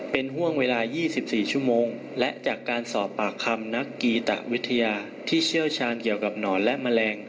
เป็นห่วงเวลา๒๔ชั่วโมงและจากการสอบปากคำนักกีตะวิทยาที่เชี่ยวชาญเกี่ยวกับหนอนและแมลง